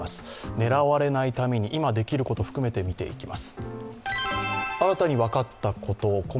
狙われないために今できること含めて見ていきます。